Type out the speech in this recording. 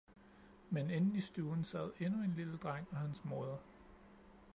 Men inde i stuen sad endnu en lille dreng og hans moder